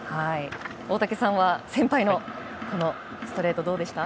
大竹さんは先輩のこのストレートどうでした？